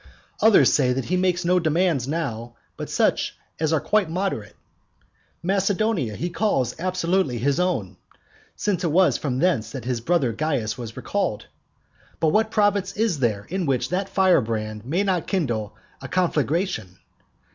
Others say that he makes no demands now but such as are quite moderate. Macedonia he calls absolutely his own, since it was from thence that his brother Caius was recalled. But what province is there in which that firebrand may not kindle a conflagration?